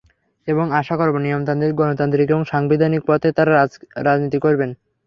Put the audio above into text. এবং আশা করব নিয়মতান্ত্রিক, গণতান্ত্রিক এবং সাংবিধানিক পথে তারা রাজনীতি করবেন।